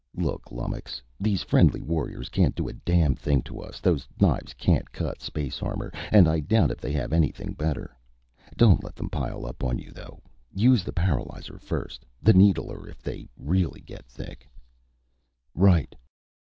"Look, lummox. These friendly warriors can't do a damn thing to us. Those knives can't cut space armor, and I doubt if they have anything better. Don't let them pile up on you, though. Use the paralyzer first, the needler if they really get thick." "Right."